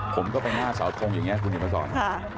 ผมก็ไปไปหน้าสาวทงอย่างนี้คุณหยิบตอนครับ